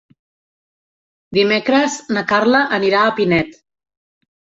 Dimecres na Carla anirà a Pinet.